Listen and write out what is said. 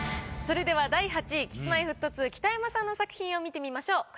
それでは第８位Ｋｉｓ−Ｍｙ−Ｆｔ２北山さんの作品を見てみましょう。